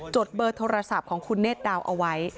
ดเบอร์โทรศัพท์ของคุณเนธดาวเอาไว้